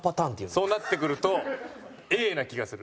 そうなってくるとＡな気がする。